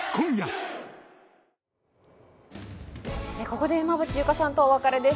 ここで馬淵優佳さんとはお別れです。